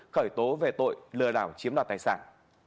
khởi tố về tội lừa đảo chiếm đoạt tài sản